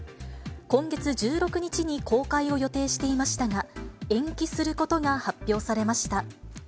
今月１６日に公開を予定していましたが、延期することが発表されました。